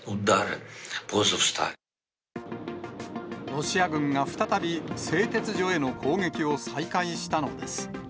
ロシア軍が再び製鉄所への攻撃を再開したのです。